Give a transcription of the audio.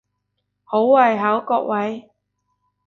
好胃口各位！